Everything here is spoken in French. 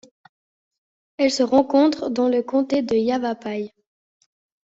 Elle se rencontre dans le comté de Yavapai.